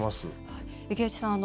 池内さん